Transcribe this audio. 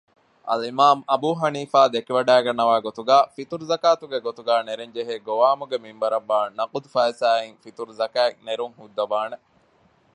އަލްއިމާމު އަބޫޙަނީފާ ދެކެވަޑައިގަންނަވާގޮތުގައި ފިޠުރުޒަކާތުގެ ގޮތުގައި ނެރެންޖެހޭ ގޮވާމުގެ މިންވަރަށްވާ ނަޤުދު ފައިސާއިން ފިޠުރުޒަކާތް ނެރުންހުއްދަވާނެ